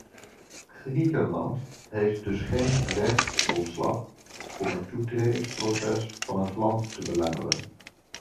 Griekenland heeft dus geen rechtsgrondslag om het toetredingsproces van het land te belemmeren.